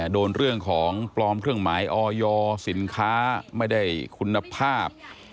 โดนเรื่องของปลอมเครื่องหมายออยสินค้าไม่ได้คุณภาพ